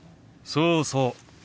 そうそう。